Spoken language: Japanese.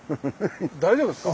大丈夫ですか。